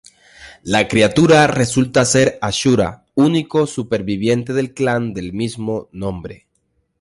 La criatura resulta ser Ashura, único superviviente del clan del mismo nombre.